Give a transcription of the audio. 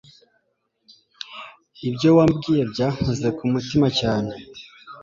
Ibyo wambwiye byankoze ku mutima cyane.